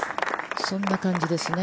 そんな感じですね。